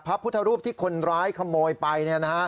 พระพุทธรูปที่คนร้ายขโมยไป